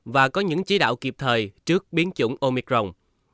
và có những chỉ đạo kịp thời trước biến chủng omicron